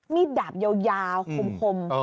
ดาบยาวคม